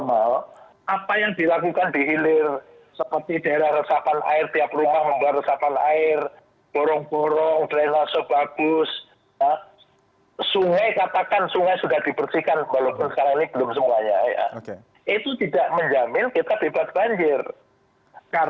masyarakat harus bertanggung jawab juga terhadap banjir